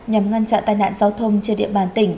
nhằm ngăn chặn tai nạn giao thông trên địa bàn tỉnh